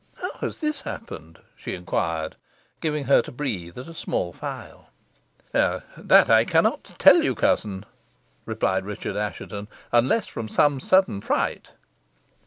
"How has this happened?" she inquired, giving her to breathe at a small phial. "That I cannot tell you, cousin," replied Richard Assheton, "unless from some sudden fright."